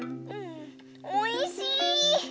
おいしい！